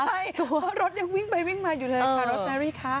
ตัวรถยังวิ่งไปวิ่งมาอยู่เลยค่ะ